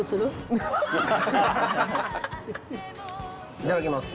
いただきます。